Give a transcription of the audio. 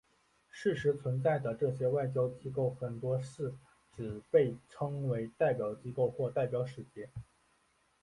事实存在的这些外交机构很多是只被称为代表机构或代表使节。